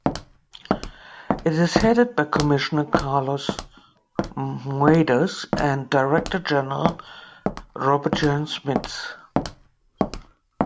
It is headed by Commissioner Carlos Moedas and Director-General Robert-Jan Smits.